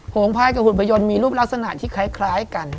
งภายกับหุ่นพยนตร์มีรูปลักษณะที่คล้ายกัน